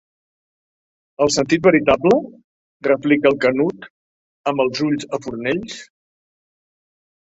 ¿El sentit veritable?, replica el Canut, amb els ulls a Fornells.